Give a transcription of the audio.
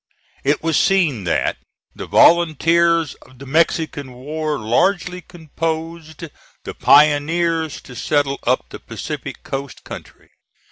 It was seen that the volunteers of the Mexican war largely composed the pioneers to settle up the Pacific coast country.